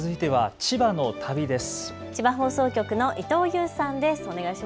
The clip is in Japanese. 千葉放送局の伊藤優さんです。